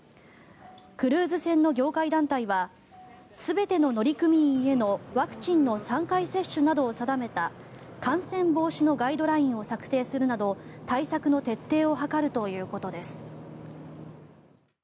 クルーズ船の業界団体は全ての乗組員へのワクチンの３回接種などを定めた感染防止のガイドラインを策定するなど対策の徹底を図るということです。